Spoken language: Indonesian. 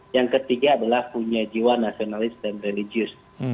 yang ketiga adalah punya jiwa nasionalis dan religius